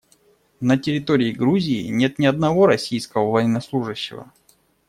На территории Грузии нет ни одного российского военнослужащего.